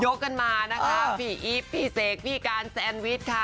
ยกกันมานะคะฟี่อิ๊บฟี่เสกฟี่การแซนวิชค่ะ